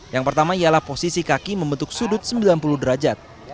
yang pertama ialah posisi kaki membentuk sudut sembilan puluh derajat